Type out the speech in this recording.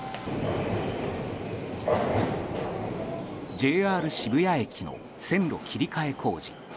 ＪＲ渋谷駅の線路切り替え工事。